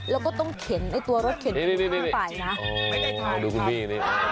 แล้วก็ต้องเข็นรถเข็นตรงทางไปนะ